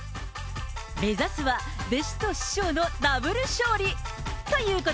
目指すは弟子と師匠のダブル勝利。